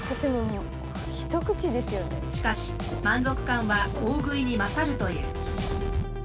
しかし満足感は大食いに勝るという。